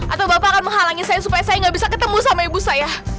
atau bapak akan menghalangi saya supaya saya nggak bisa ketemu sama ibu saya